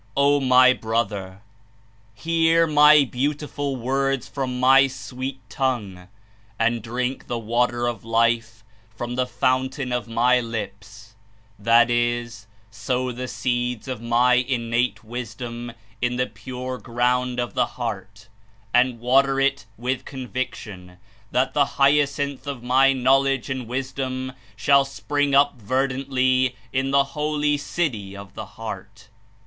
''Oh My Brother! Hear My beautiful Words from My sweet Tongue, and drink the JVater of Life from the fountain of My Lips; that is — sow the seeds of My Innate JVisdom in the pure ground of the heart and water it with conviction; then the hyacinth of My Knowledge and JVisdom shall spring up verdantly in the holy city of the heart."